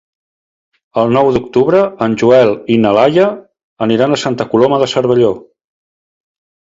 El nou d'octubre en Joel i na Laia aniran a Santa Coloma de Cervelló.